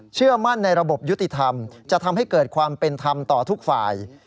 เชื่อมั่นในระบบยุติธรรมจะทำให้เกิดความเป็นธรรมต่อทุกฝ่าย